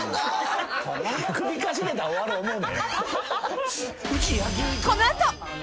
首かしげたら終わる思うなよ。